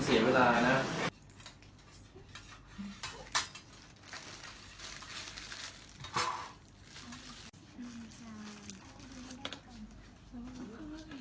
สวัสดีครับทุกคน